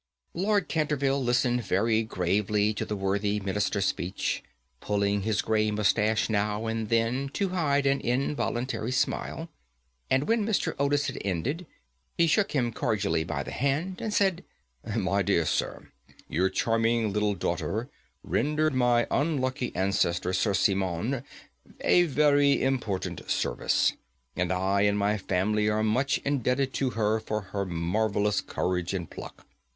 Lord Canterville listened very gravely to the worthy Minister's speech, pulling his grey moustache now and then to hide an involuntary smile, and when Mr. Otis had ended, he shook him cordially by the hand, and said: "My dear sir, your charming little daughter rendered my unlucky ancestor, Sir Simon, a very important service, and I and my family are much indebted to her for her marvellous courage and pluck.